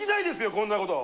こんなこと。